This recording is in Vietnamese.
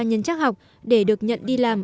nhân chắc học để được nhận đi làm